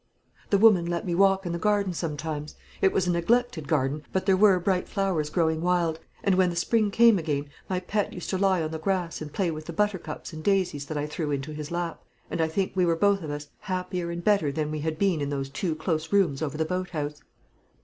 The woman let me walk in the garden sometimes. It was a neglected garden, but there were bright flowers growing wild, and when the spring came again my pet used to lie on the grass and play with the buttercups and daisies that I threw into his lap; and I think we were both of us happier and better than we had been in those two close rooms over the boat house.